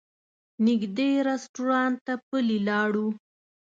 نږدې رسټورانټ ته پلي لاړو.